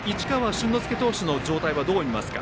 春之介投手の状態はどう見ますか？